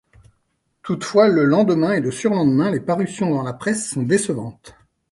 Toutefois le lendemain et le surlendemain, les parutions dans la presse sont décevantes.